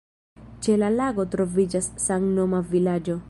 Ĉe la lago troviĝas samnoma vilaĝo.